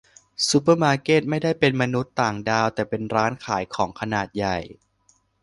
ซูเปอร์มาร์เก็ต ไม่ได้เป็นมนุษย์ต่างดาว แต่เป็นร้านขายของขนาดใหญ่